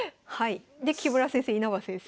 で木村先生稲葉先生。